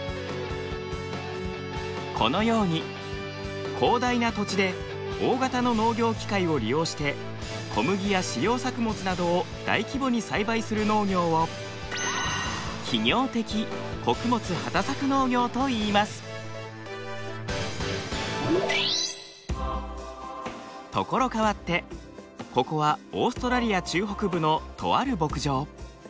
このように広大な土地で大型の農業機械を利用して小麦や飼料作物などを大規模に栽培する農業を所変わってここはオーストラリア中北部のとある牧場。